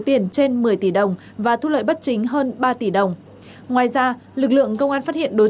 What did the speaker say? tiền trên một mươi tỷ đồng và thu lợi bất chính hơn ba tỷ đồng ngoài ra lực lượng công an phát hiện đối